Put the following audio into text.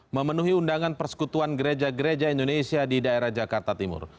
memenuhi undangan persekutuan gereja gereja indonesia di daerah jakarta timur